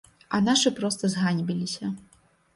А нашы проста зганьбіліся.